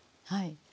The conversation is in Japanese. はい。